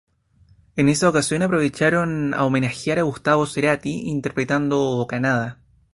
En esa ocasión aprovecharon a homenajear a Gustavo Cerati, interpretando "Bocanada".